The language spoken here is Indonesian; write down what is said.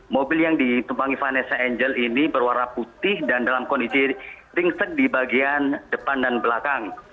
mobil yang ditumpangi vanessa angel ini berwarna putih dan dalam kondisi ringsek di bagian depan dan belakang